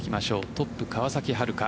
トップ・川崎春花。